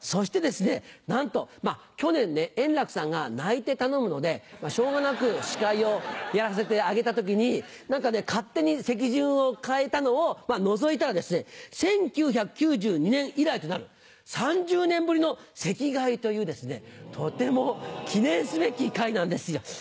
そしてなんと去年円楽さんが泣いて頼むのでしょうがなく司会をやらせてあげた時に何か勝手に席順を変えたのを除いたらですね１９９２年以来となる３０年ぶりの席替えというですねとても記念すべき回なんですよ。